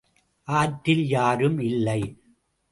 ஆற்றில் யாரும் இல்லை.